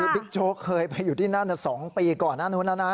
พี่บิ๊กโชคเคยไปอยู่ที่นั่น๒ปีก่อนอ้านู้นนะนะ